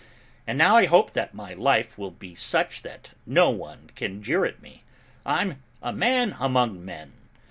And now I hope that my life will be such that no one can jeer at me. I'm a man among men!